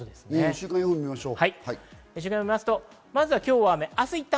週間予報を見ましょう。